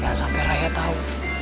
jangan sampai raya tau